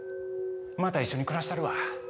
また一緒に暮らしたるわ。